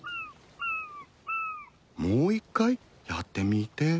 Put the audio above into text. もう一回やってみて。